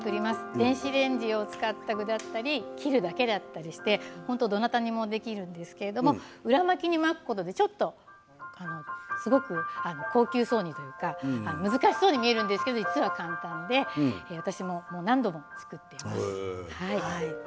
電子レンジを使った具だったり切るだけだったりどなたにでもできるんですけど裏巻きに巻くことでちょっと、すごく高級そうにというか難しそうに見えるんですが実は簡単で私も何度も作っています。